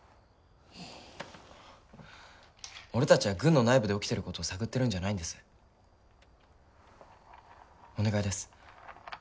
俺達は軍の内部で起きてることを探ってるんじゃないんですお願いです